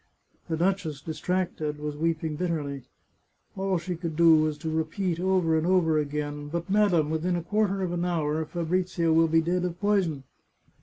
The duchess, distracted, was weeping bitterly. All she could do was to repeat, over and over again, " But, madam, within a quarter of an hour Fa brizio will be dead of poison